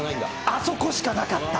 あそこしかなかった。